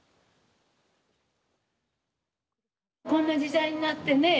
こんな時代になってね